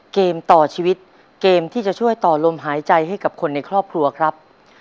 เกมต่อชีวิตเกมที่จะช่วยต่อลมหายใจให้กับคนในครอบครัวครับ